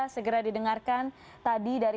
segera didengarkan tadi dari